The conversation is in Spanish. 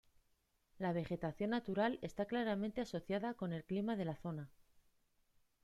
La vegetación natural está claramente asociada con el clima de la zona.